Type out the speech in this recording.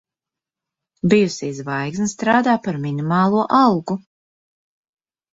Bijusī zvaigzne strādā par minimālo algu.